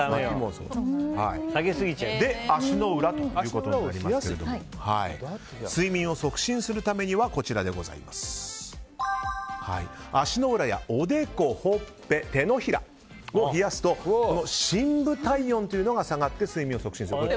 そして足の裏ということですが睡眠を促進するためには足の裏やおでこ、ほっぺ手のひらを冷やすと深部体温というのが下がって睡眠を促進すると。